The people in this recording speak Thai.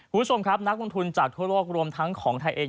คุณผู้ชมครับนักลงทุนจากทั่วโลกรวมทั้งของไทยเอง